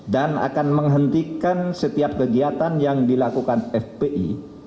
dan akan menghentikan setiap kegiatan yang dilakukan fpi